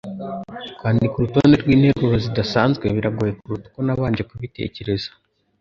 Kwandika urutonde rwinteruro zidasanzwe biragoye kuruta uko nabanje kubitekereza.